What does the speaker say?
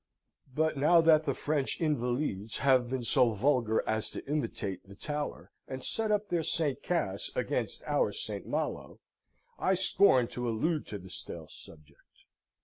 But now that the French Invalides have been so vulgar as to imitate the Tower, and set up their St. Cas against our St. Malo, I scorn to allude to the stale subject.